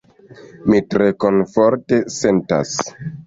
Mi tre komforte sentas.